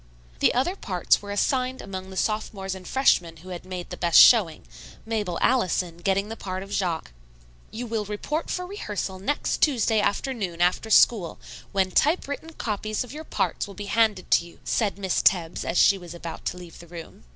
The other parts were assigned among the sophomores and freshmen who had made the best showing, Mabel Allison getting the part of Jaques. "You will report for rehearsal next Tuesday afternoon after school, when typewritten copies of your parts will be handed you," said Miss Tebbs, as she was about to leave the room.